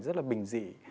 rất là bình dị